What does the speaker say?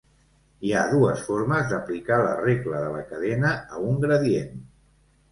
HI ha dues formes d'aplicar la regla de la cadena a un gradient.